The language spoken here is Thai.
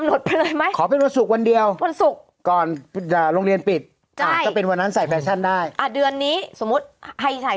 อ่าฮะก็อยากไปโรงเรียนด้วยได้แต่งตัวด้วย